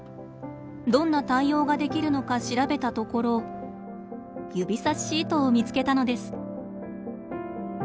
どんな対応ができるのか調べたところ指さしシートを見つけたのです。